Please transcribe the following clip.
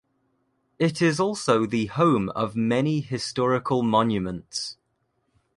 It is also the home of many historical monuments.